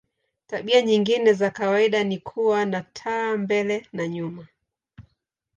Tabia nyingine za kawaida ni kuwa na taa mbele na nyuma.